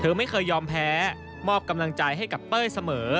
ไม่เคยยอมแพ้มอบกำลังใจให้กับเป้ยเสมอ